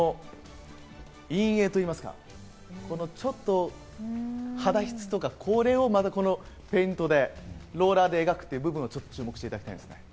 陰影といいますか、ちょっと肌質とか、これをまたペイントでローラーで描く部分に注目していただきたいんです。